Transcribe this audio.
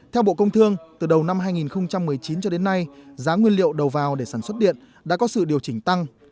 theo bộ công thương từ đầu năm hai nghìn một mươi chín cho đến nay giá nguyên liệu đầu vào để sản xuất điện đã có sự điều chỉnh tăng